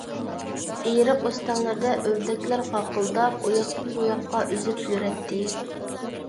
ئېرىق-ئۆستەڭلەردە ئۆردەكلەر غاقىلداپ، ئۇياقتىن-بۇياققا ئۈزۈپ يۈرەتتى.